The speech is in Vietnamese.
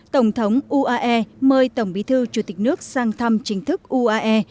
tổng thống uae mời tổng bí thư chủ tịch nước sang thăm chính thức uae